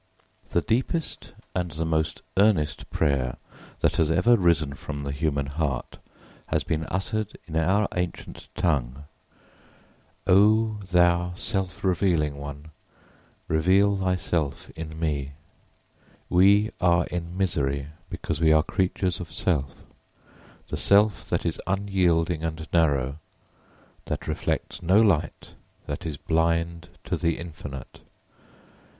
The deepest and the most earnest prayer that has ever risen from the human heart has been uttered in our ancient tongue: O thou self revealing one, reveal thyself in me. [Footnote: Āvirāvīrmayēdhi.] We are in misery because we are creatures of self the self that is unyielding and narrow, that reflects no light, that is blind to the infinite.